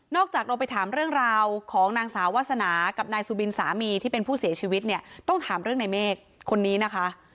จากเราไปถามเรื่องราวของนางสาววาสนากับนายสุบินสามีที่เป็นผู้เสียชีวิตเนี่ยต้องถามเรื่องในเมฆคนนี้นะคะ